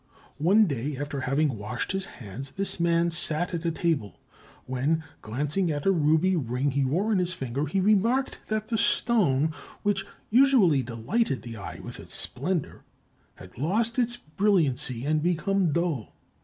One day, after having washed his hands, this man sat at a table, when, glancing at a ruby ring he wore on his finger, he remarked that the stone, which usually delighted the eye with its splendor, had lost its brilliancy and become dull.